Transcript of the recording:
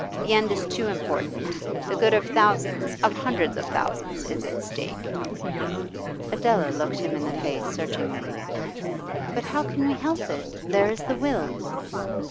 The end is too important. The good of thousands, of hundreds of thousands, is at stake.' Adela looked him in the face searchingly. 'But how can we help it? There is the will.